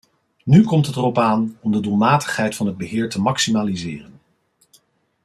Nu komt het erop aan om de doelmatigheid van het beheer te maximaliseren.